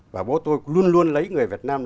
và bố tôi luôn luôn lấy người việt nam